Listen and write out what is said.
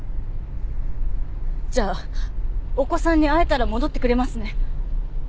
じゃあお子さんに会えたら戻ってくれますね？